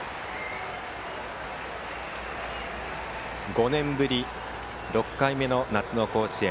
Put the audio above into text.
５年ぶり６回目の夏の甲子園。